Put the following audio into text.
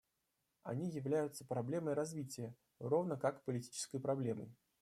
Они являются проблемой развития, равно как политической проблемой».